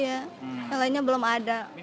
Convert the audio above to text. yang lainnya belum ada